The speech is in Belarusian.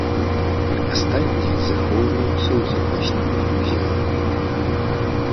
Астатнія захоўваюцца ў запасніках музея.